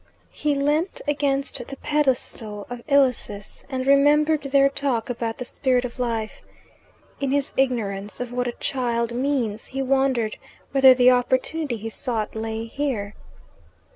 He leant against the pedestal of Ilissus and remembered their talk about the Spirit of Life. In his ignorance of what a child means he wondered whether the opportunity he sought lay here.